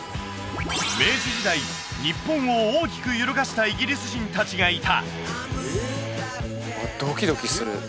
明治時代日本を大きく揺るがしたイギリス人達がいた！